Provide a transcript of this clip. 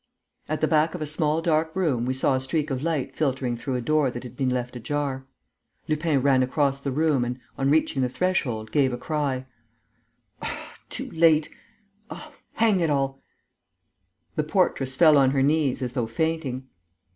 At the back of a small dark room we saw a streak of light filtering through a door that had been left ajar. Lupin ran across the room and, on reaching the threshold, gave a cry: "Too late! Oh, hang it all!" The portress fell on her knees, as though fainting.